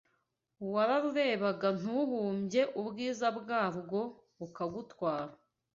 Wararurebaga ntuhumbye Ubwiza bwarwo bukagutwara